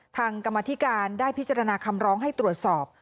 กรรมธิการได้พิจารณาคำร้องให้ตรวจสอบ